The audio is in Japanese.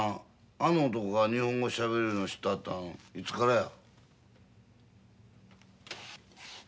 あの男が日本語しゃべれるの知ってはったんいつからや？